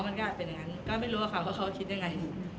มันก็เป็นอย่างนั้นก็ไม่รู้อะค่ะว่าเขาคิดยังไง